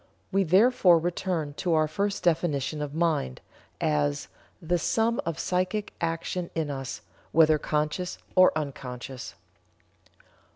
We therefore return to our first definition of Mind, as 'the sum of psychic action in us, whether conscious or unconscious.'"